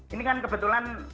ini kan kebetulan